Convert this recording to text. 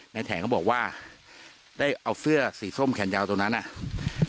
แถงก็บอกว่าได้เอาเสื้อสีส้มแขนยาวตรงนั้นอ่ะ